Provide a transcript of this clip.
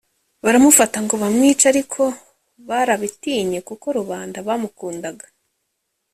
Baramufata ngo bamwice Ariko barabitinye kuko rubanda bamukundaga